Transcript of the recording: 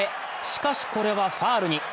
しかし、これはファウルに。